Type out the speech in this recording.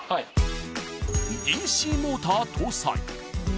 ［ＤＣモーター搭載］